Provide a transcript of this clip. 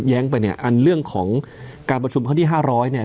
แย้งไปเนี้ยอันเรื่องของการประชุมของที่ห้าร้อยเนี้ย